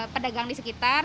pedagang di sekitar